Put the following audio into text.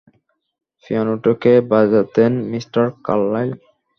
পিয়ানোটা কে বাজাতেন, mister Carlyle?